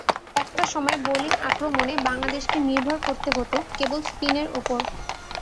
একটা সময় বোলিং আক্রমণে বাংলাদেশকে নির্ভর করতে হতো কেবল স্পিনের ওপর।